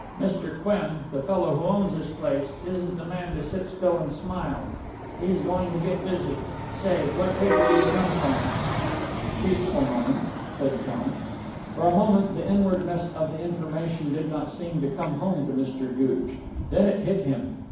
Mr. Qem, the fellow who owns this place isn't the man to sit still and smile. He's going to get busy. Say, what paper do you come from?" "Peaceful Moments," said John. For a moment the inwardness of the information did not seem to come home to Mr. Gooch. Then it hit him.